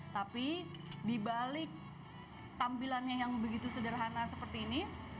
tapi di balik tampilannya yang begitu sederhana seperti ini